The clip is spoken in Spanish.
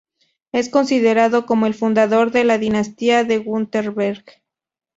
Es considerado como el fundador de la dinastía de Wurtemberg.